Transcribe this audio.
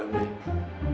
tahu deh mbae